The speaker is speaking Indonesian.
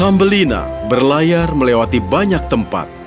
tambelina berlayar melewati banyak tempat